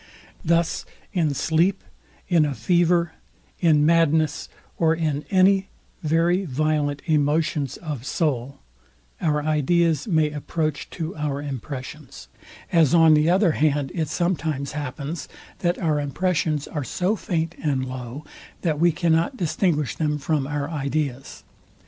Thus in sleep, in a fever, in madness, or in any very violent emotions of soul, our ideas may approach to our impressions, As on the other hand it sometimes happens, that our impressions are so faint and low, that we cannot distinguish them from our ideas.